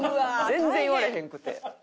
全然言われへんくて。